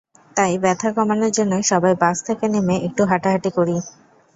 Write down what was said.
তাই ব্যথা কমানোর জন্য সবাই বাস থেকে নেমে একটু হাঁটাহাঁটি করি।